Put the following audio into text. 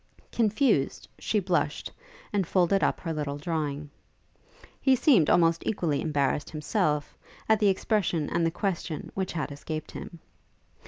Confused, she blushed, and folded up her little drawing. He seemed almost equally embarrassed himself, at the expression and the question which had escaped him.